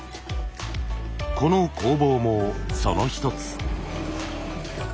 この工房もその一つ。